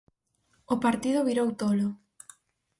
O partido virou tolo.